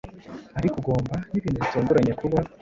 Ariko ugomba nibintu bitunguranye kuba